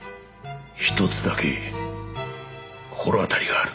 １つだけ心当たりがある。